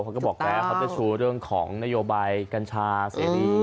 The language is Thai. เขาก็บอกแล้วเขาจะชูเรื่องของนโยบายกัญชาเสรี